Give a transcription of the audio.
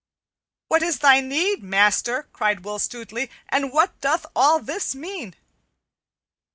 "What is thy need, master?" cried Will Stutely. "And what doth all this mean?"